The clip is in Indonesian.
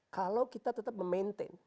kalau kita tetap memaintain